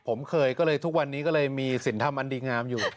ผมเคยก็เลยทุกวันนี้ก็เลยมีสินธรรมอันดีงามอยู่